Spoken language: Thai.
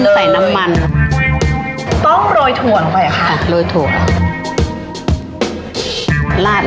ใส่น้ำมันต้องโรยถั่วลงไปค่ะโรยถั่ว